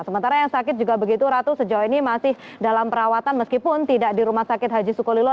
sementara yang sakit juga begitu ratu sejauh ini masih dalam perawatan meskipun tidak di rumah sakit haji sukolilo